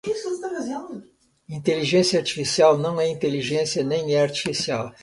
Inteligência Artificial não é inteligência nem é artificial.